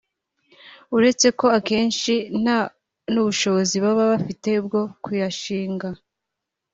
uretse ko akenshi nta n’ubushobozi baba bafite bwo kuyashinga